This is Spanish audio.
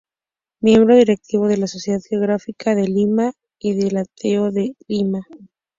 Miembro directivo de la Sociedad Geográfica de Lima y del Ateneo de Lima.